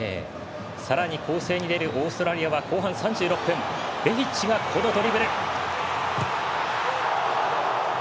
さらに攻勢に出るオーストラリアは後半３４分ベヒッチがこのドリブル。